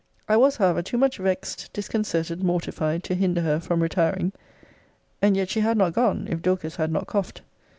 I was however too much vexed, disconcerted, mortified, to hinder her from retiring. And yet she had not gone, if Dorcas had not coughed.